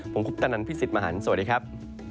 ผมคุปตะนันพี่สิทธิ์มหันฯสวัสดีครับ